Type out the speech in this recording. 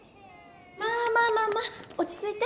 まあまあまあまあおちついて。